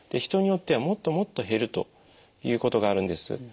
人によってはもっともっと減るということがあるんです。